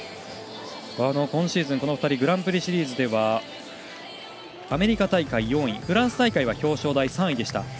今シーズン、この２人グランプリシリーズではアメリカ大会４位フランス大会は表彰台３位でした。